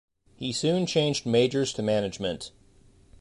He soon changed majors to management.